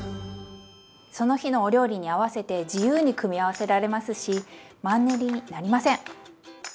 その日のお料理に合わせて自由に組み合わせられますしマンネリになりません！